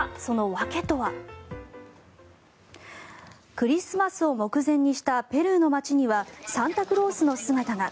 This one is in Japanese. クリスマスを目前にしたペルーの街にはサンタクロースの姿が。